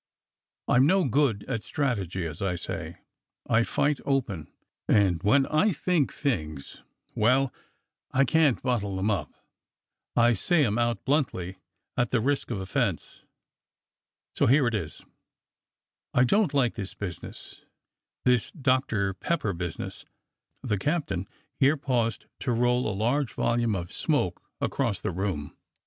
I'm no good at strategy; as I say, I fight open; and when I think things — well, I can't bottle them up; I say 'em out bluntly at the risk of offence. So here it is: I don't like this business — this Doctor Pepper business " The captain here paused to roll a large volume of smoke across the room.